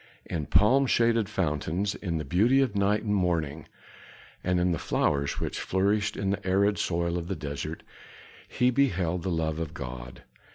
In palm shaded fountains, in the beauty of night and morning, and in the flowers which flourished in the arid soil of the desert, he beheld the love of God.